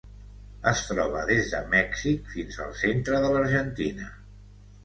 Es troba des de Mèxic fins al centre de l'Argentina.